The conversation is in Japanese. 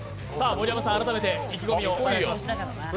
盛山さん、改めて意気込みをお願いします。